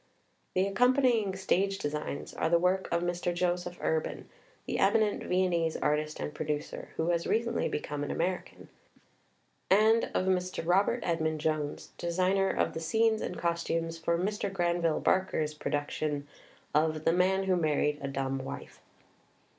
The accompanying stage designs are the work of Mr. Joseph Urban, the eminent Viennese artist and producer [who has recently become an American], and of Mr. Robert Edmond Jones, designer of the scenes and cos tumes for Mr. Granville Barker's production of "The Man Who Married a Dumb Wife.